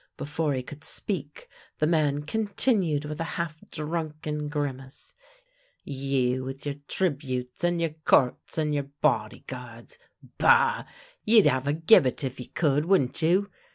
Before he could speak the man con tinued with a half drunken grimace :" You with your tributes, and your courts, and your body guards! Bah! You'd have a gibbet if you could, wouldn't you?